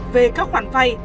về các khoản vay